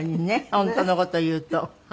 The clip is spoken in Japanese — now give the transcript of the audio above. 本当の事言うと。